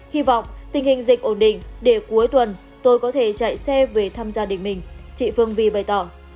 hy vọng tình hình dịch ổn định để cuối tuần tôi có thể chạy xe về thăm gia đình mình chị phương vi bày tỏ